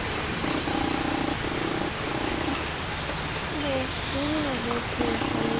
黒１２の十九取り。